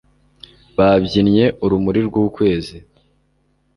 babyinnye urumuri rw'ukwezi